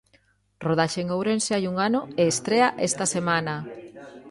Rodaxe en Ourense hai un ano e estrea esta semana.